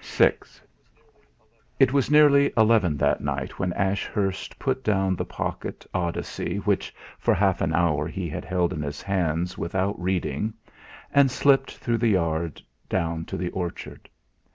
6 It was nearly eleven that night when Ashurst put down the pocket "Odyssey" which for half an hour he had held in his hands without reading, and slipped through the yard down to the orchard.